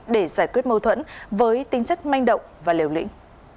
để giải quyết mâu thuẫn với tính chất manh động và liều lĩnh